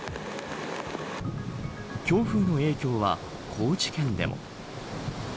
強風の影響は高知県でも。